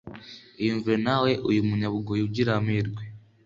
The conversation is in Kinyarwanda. Iyumvire nawe uyu munyabugoyi ugira amerwe